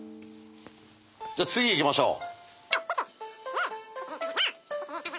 じゃあ次行きましょう。